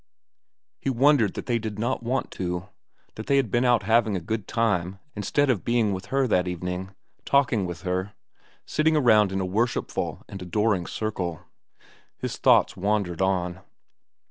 He wondered that they did not want to, that they had been out having a good time instead of being with her that evening, talking with her, sitting around her in a worshipful and adoring circle. His thoughts wandered on.